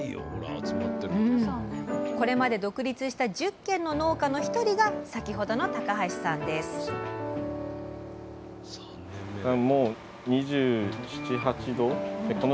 これまで独立した１０軒の農家の一人が先ほどの高橋さんですすると高橋さん